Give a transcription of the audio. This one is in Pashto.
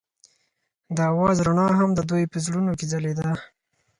د اواز رڼا هم د دوی په زړونو کې ځلېده.